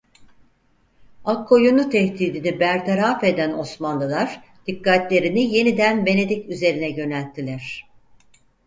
Akkoyunlu tehdidini bertaraf eden Osmanlılar dikkatlerini yeniden Venedik üzerine yönelttiler.